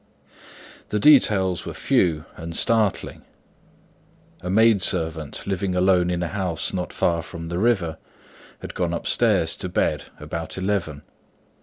The details were few and startling. A maid servant living alone in a house not far from the river, had gone upstairs to bed about eleven.